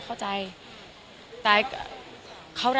ขอเริ่มขออนุญาต